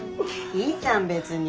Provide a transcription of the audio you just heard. いいじゃん別に。